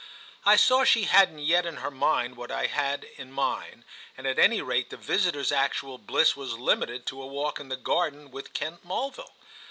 I saw she hadn't yet in her mind what I had in mine, and at any rate the visitor's actual bliss was limited to a walk in the garden with Kent Mulville.